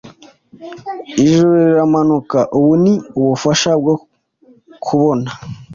Ijuru riramanuka Ubu ni ubufasha bwo kubona